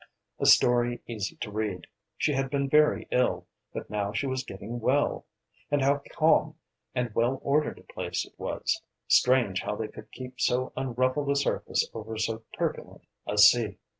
A story easy to read: she had been very ill, but now she was getting well. And how calm and well ordered a place it was strange how they could keep so unruffled a surface over so turbulent a sea!